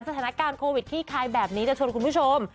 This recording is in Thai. สถานการณ์โควิดขี้คายแบบนี้จะชวนคุณผู้ชม